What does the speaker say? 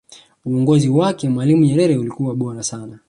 uongozi wake mwalimu nyerere ulikuwa bora sana